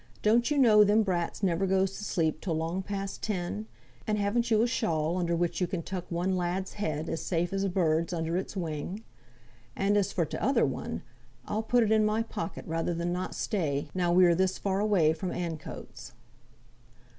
"Don't you know them brats never goes to sleep till long past ten? and haven't you a shawl, under which you can tuck one lad's head, as safe as a bird's under its wing? And as for t'other one, I'll put it in my pocket rather than not stay, now we are this far away from Ancoats."